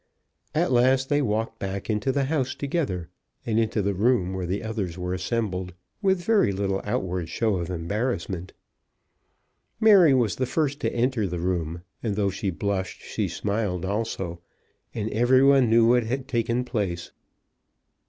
At last they walked back into the house together, and into the room where the others were assembled, with very little outward show of embarrassment. Mary was the first to enter the room, and though she blushed she smiled also, and every one knew what had taken place.